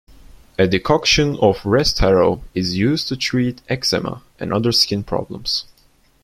A decoction of restharrow is used to treat eczema and other skin problems.